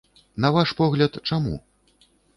На ваш погляд, чаму?